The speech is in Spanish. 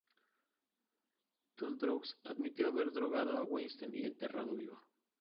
Dutroux admitió haber drogado a Weinstein y enterrado vivo.